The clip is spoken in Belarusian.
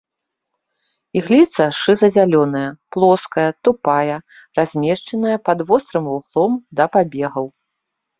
Ігліца шыза-зялёная, плоская, тупая, размешчаная пад вострым вуглом да пабегаў.